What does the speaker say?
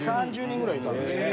２０３０人ぐらいいたんですよ。